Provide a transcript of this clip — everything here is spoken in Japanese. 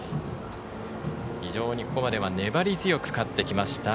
非常にここまでは粘り強く勝ってきました。